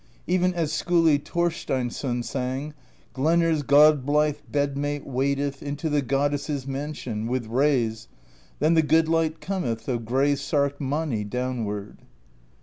Even as Skiili Thor steinsson sang: Glenr's god blithe Bed Mate wadeth Into the Goddess's mansion With rays; then the good Hght cometh Of gray sarked Mani downward.